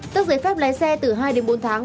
tức giấy phép lái xe từ hai bốn tháng